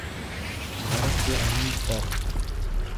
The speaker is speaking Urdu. بھارت کے امیر تر